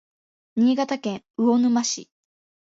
新潟県魚沼市